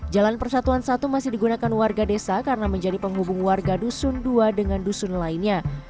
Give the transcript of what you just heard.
jalan persatuan satu masih digunakan warga desa karena menjadi penghubung warga dusun dua dengan dusun lainnya